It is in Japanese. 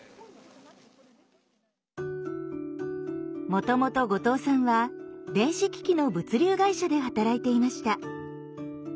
もともと後藤さんは電子機器の物流会社で働いていました。